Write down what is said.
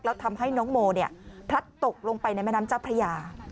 แล้วทำให้น้องโมพลัดตกลงไปในแม่น้ำเจ้าพระยา